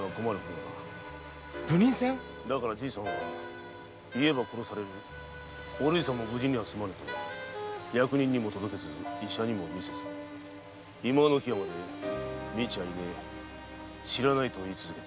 流人船だからじいさんは言えば殺されるし娘も無事には済むまいと役人にも届けず医者にも見せず最後まで「見ちゃいねぇ知らない」と言い続けた。